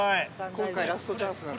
今回ラストチャンスなんで。